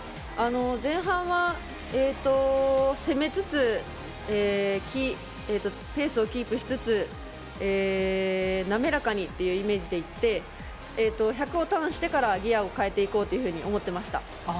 前半は攻めつつペースをキープしつつ滑らかにというイメージでいって１００をターンしてからギアを上げていこうと思っていました。